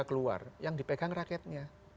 keluar yang dipegang raketnya